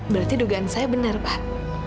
berarti dugaan saya benar pak